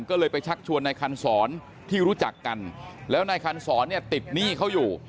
ก็เลยไปชักชวนนายคันศรที่รู้จักกันแล้วนายคันศรเนี่ยติดหนี้เขาอยู่